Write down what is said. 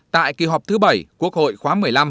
tại kỳ họp thứ bảy quốc hội khóa một mươi năm